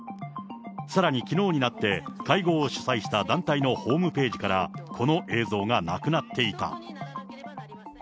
さらにきのうになって、会合を主催した団体のホームページから、この映像がなくなっていた。